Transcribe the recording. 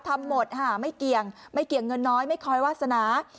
ทำหมดไม่เกี่ยงเงินน้อยไม่คอยวาสนา